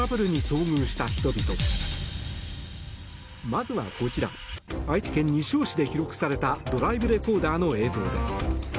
まずはこちら愛知県西尾市で記録されたドライブレコーダーの映像です。